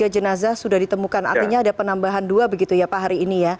tiga jenazah sudah ditemukan artinya ada penambahan dua begitu ya pak hari ini ya